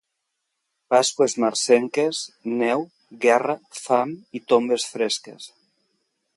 Pasqües marcenques, neu, guerra, fam i tombes fresques.